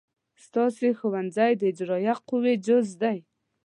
ستاسې ښوونځی د اجرائیه قوې جز دی.